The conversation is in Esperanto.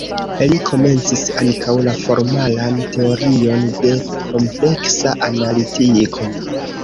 Li komencis ankaŭ la formalan teorion de kompleksa analitiko.